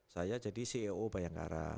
saya jadi ceo bayangkara